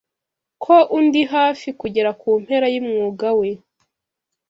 Ko undi hafi kugera kumpera yumwuga we